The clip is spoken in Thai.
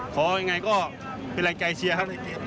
ขออย่างไรก็เป็นแรงใจเชียร์ครับ